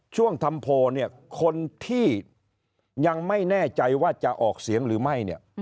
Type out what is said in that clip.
ช่วงทำโพลเนี่ยคนที่ยังไม่แน่ใจว่าจะออกเสียงหรือไม่เนี่ย